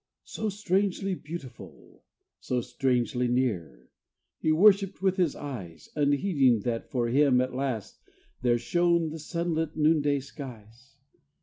So strangely beautiful so strangely near He worshipped with his eyes, Unheeding that for him at last there shone The sunlit noonday skies.